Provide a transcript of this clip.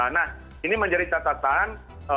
nah ini menjadi catatan